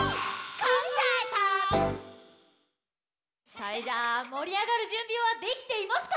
それじゃあもりあがるじゅんびはできていますか？